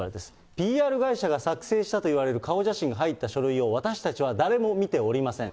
ＰＲ会社が作成したといわれる顔写真が入った書類を私たちは誰も見ておりません。